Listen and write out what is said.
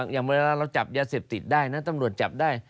อย่างเวลาเราจับยาเสพติดได้นะตำรวจจับได้